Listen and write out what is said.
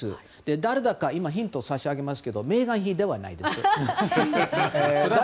誰だか今ヒントを差し上げますけどメーガン妃ではないです。